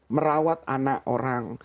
merawat anak orang